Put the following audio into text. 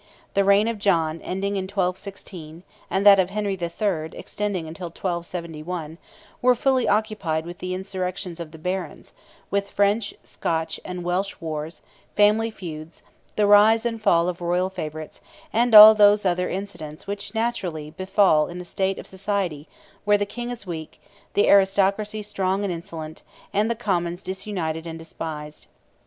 The reign of John ending in 1216, and that of Henry III. extending till 1271, were fully occupied with the insurrections of the Barons, with French, Scotch, and Welsh wars, family feuds, the rise and fall of royal favourites, and all those other incidents which naturally, befall in a state of society where the King is weak, the aristocracy strong and insolent, and the commons disunited and despised.